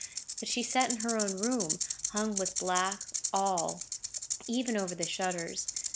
But she sat in her own room, hung with black, all, even over the shutters.